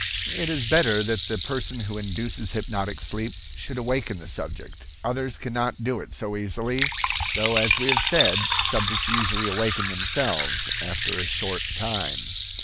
It is better that the person who induces hypnotic sleep should awaken the subject. Others cannot do it so easily, though as we have said, subjects usually awaken themselves after a short time.